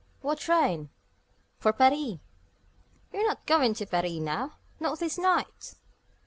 "What train?" "For Paris." "You're not going to Paris now not this night?"